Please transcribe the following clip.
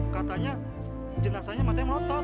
katanya jelasannya matanya melotot